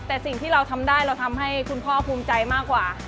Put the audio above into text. แต่สิ่งที่เราทำได้เราทำให้คุณพ่อภูมิใจมากกว่า